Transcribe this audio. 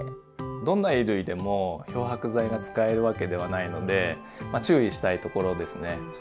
どんな衣類でも漂白剤が使えるわけではないのでまあ注意したいところですね。